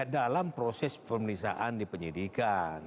ya dalam proses pemeriksaan di penyelidikan